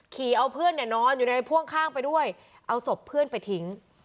ขี่เอาเพื่อนเนี่ยนอนอยู่ในพ่วงข้างไปด้วยเอาศพเพื่อนไปทิ้ง